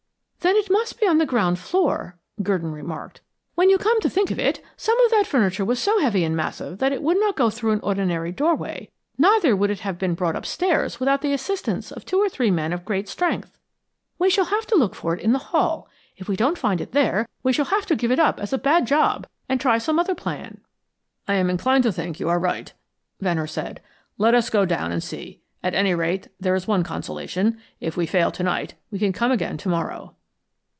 "Then it must be on the ground floor," Gurdon remarked. "When you come to think of it, some of that furniture was so heavy and massive that it would not go through an ordinary doorway, neither could it have been brought upstairs without the assistance of two or three men of great strength. We shall have to look for it in the hall; if we don't find it there, we shall have to give it up as a bad job and try some other plan." "I am inclined to think you are right," Venner said. "Let us go down and see. At any rate, there is one consolation. If we fail to night we can come again to morrow."